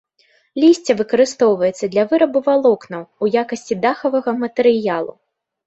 Лісце выкарыстоўваецца для вырабу валокнаў, у якасці дахавага матэрыялу.